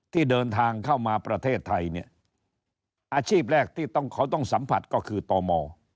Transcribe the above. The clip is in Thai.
ที่เดินทางเข้ามาประเทศไทยอาชีพแรกที่เขาต้องสัมผัสก็คือต่อมอ